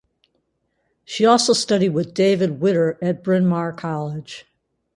She also studied with David Widder at Bryn Mawr College.